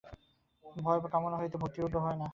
ভয় বা কামনা হইতে ভক্তির উদ্ভব হয় না।